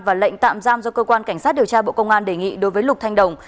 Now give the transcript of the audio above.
và lệnh tạm giam do cơ quan cảnh sát điều tra bộ công an đề nghị đối với lục thanh đồng